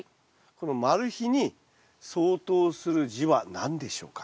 このマル秘に相当する字は何でしょうか？